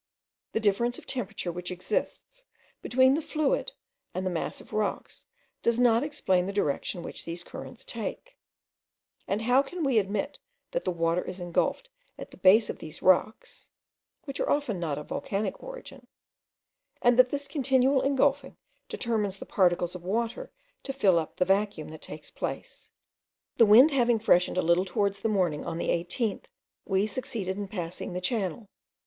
The difference of temperature which exists between the fluid and the mass of rocks does not explain the direction which these currents take; and how can we admit that the water is engulfed at the base of these rocks, (which often are not of volcanic origin) and that this continual engulfing determines the particles of water to fill up the vacuum that takes place. The wind having freshened a little towards the morning on the 18th, we succeeded in passing the channel.